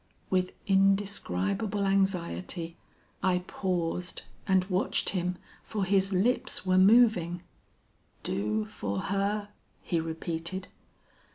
"With indescribable anxiety I paused and watched him, for his lips were moving. 'Do for her?' he repeated.